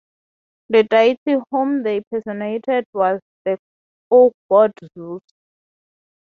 The deity whom they personated was the oak-god Zeus.